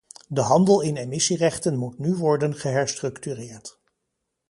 De handel in emissierechten moet nu worden geherstructureerd.